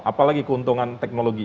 apalagi keuntungan teknologi